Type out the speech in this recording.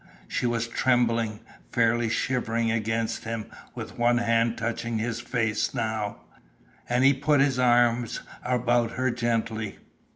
She was trembling, fairly shivering against him, with one hand touching his face now, and he put his arms about her gently.